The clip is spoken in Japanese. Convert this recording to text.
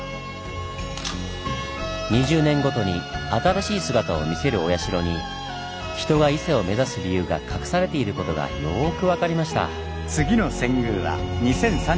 ２０年ごとに新しい姿を見せるお社に人が伊勢を目指す理由が隠されていることがよく分かりました。